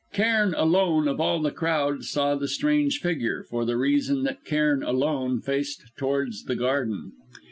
Cairn, alone of all the crowd, saw the strange figure, for the reason that Cairn alone faced towards the garden.